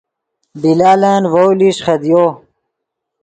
بلالن ڤؤ لیشچ خدیو